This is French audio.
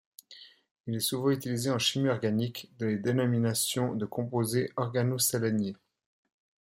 Il est souvent utilisé en chimie organique dans la dénomination des composés organoséléniés.